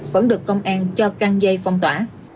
vẫn được công an cho căn dây phong tỏa